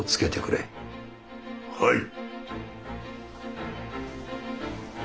はい。